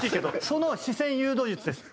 その視線誘導術です。